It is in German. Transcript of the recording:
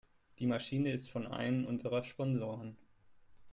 Die Maschine ist von einem unserer Sponsoren.